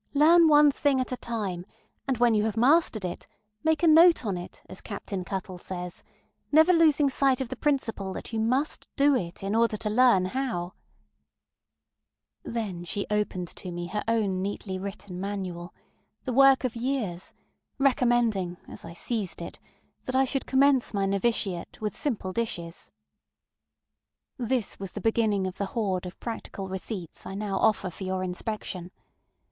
Learn one thing at a time, and when you have mastered it, ŌĆśmake a note on it, ŌĆÖ as Captain Cuttle saysŌĆönever losing sight of the principle that you must do it in order to learn how. ŌĆØ Then she opened to me her own neatly written ŌĆ£ManualŌĆØŌĆöthe work of years, recommending, as I seized it that I should commence my novitiate with simple dishes. This was the beginning of the hoard of practical receipts I now offer for your inspection.